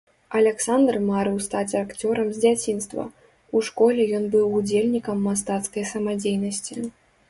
Аляксандр марыў стаць акцёрам з дзяцінства, у школе ён быў удзельнікам мастацкай самадзейнасці.